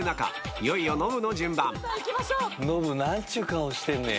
いよいよノブの順番ノブ何ちゅう顔してんねや。